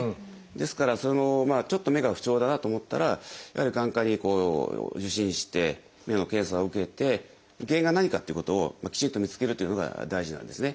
ですからちょっと目が不調だなと思ったらやはり眼科に受診して目の検査を受けて原因が何かっていうことをきちんと見つけるというのが大事なんですね。